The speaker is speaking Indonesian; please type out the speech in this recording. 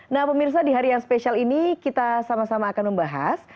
nah pemirsa di hari yang spesial ini kita sama sama akan membahas